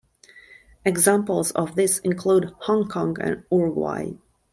Examples of this include Hong Kong and Uruguay.